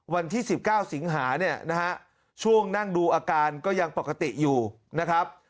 วันที่๑๙สิงหาเนี่ยนะฮะช่วงนั่งดูอาการก็ยังปกติอยู่นะครับ